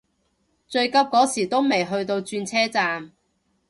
最急嗰時都未去到轉車站